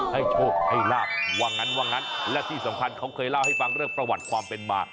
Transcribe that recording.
ให้โชคให้ลาบว่างั้นว่างั้นและที่สำคัญเขาเคยเล่าให้ฟังเรื่องประวัติความเป็นมา